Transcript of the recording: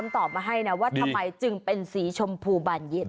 ตอบมาให้นะว่าทำไมจึงเป็นสีชมพูบานเย็น